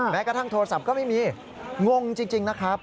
แม้กระทั่งโทรศัพท์ก็ไม่มีงงจริงนะครับ